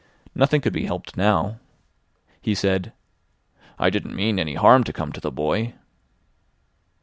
Nothing could be helped now. He said: "I didn't mean any harm to come to the boy."